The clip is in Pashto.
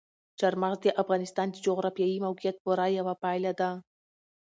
چار مغز د افغانستان د جغرافیایي موقیعت پوره یوه پایله ده.